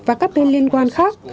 và các bên liên quan khác